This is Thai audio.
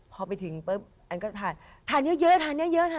พอไปถึงปุ๊บอันก็ทานทานเยอะ